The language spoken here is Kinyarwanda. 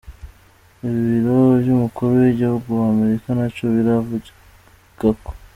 Ibiro vy'umukuru w'igihugu wa Amerika ntaco birabivugako.